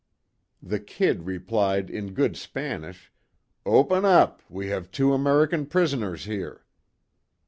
The "Kid" replied in good Spanish: "Open up, we have two American prisoners here."